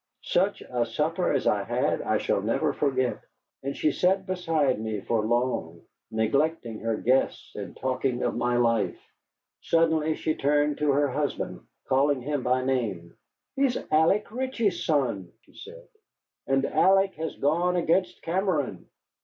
Such a supper as I had I shall never forget. And she sat beside me for long, neglecting her guests, and talking of my life. Suddenly she turned to her husband, calling him by name. "He is Alec Ritchie's son," she said, "and Alec has gone against Cameron."